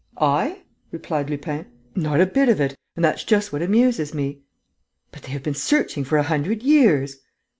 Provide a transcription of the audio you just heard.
"I?" replied Lupin. "Not a bit of it! And that's just what amuses me." "But they have been searching for a hundred years!"